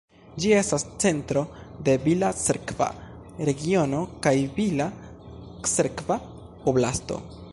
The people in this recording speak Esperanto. Ĝi estas centro de Bila-Cerkva regiono kaj Bila-Cerkva oblasto.